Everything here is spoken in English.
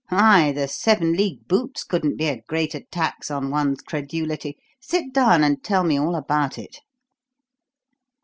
Why, the 'Seven league Boots' couldn't be a greater tax on one's credulity. Sit down and tell me all about it."